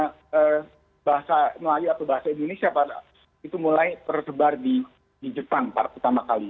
karena bahasa melayu atau bahasa indonesia itu mulai tersebar di jepang pertama kali